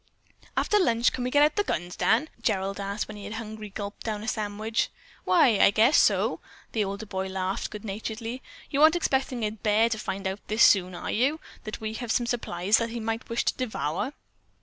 "After lunch can we get out the guns, Dan?" Gerald asked when he had hungrily gulped down a sandwich. "Why, I guess so," the older boy laughed good naturedly. "You aren't expecting a bear to find out this soon, are you, that we have some supplies that he might wish to devour?"